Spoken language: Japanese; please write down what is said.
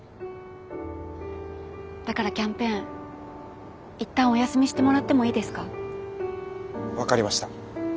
だからキャンペーンいったんお休みしてもらってもいいですか？分かりました。